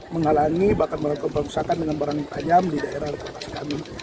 menghalangi bahkan melakukan perusahaan dengan barang panjang di daerah reklamasi kami